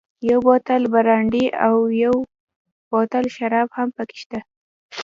یو بوتل برانډي او یو بوتل شراب هم پکې شته.